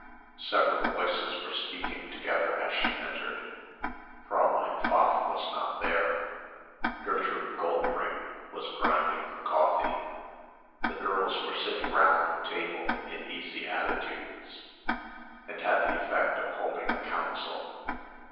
Several voices were speaking together as she entered. Fräulein Pfaff was not there. Gertrude Goldring was grinding the coffee. The girls were sitting round the table in easy attitudes and had the effect of holding a council.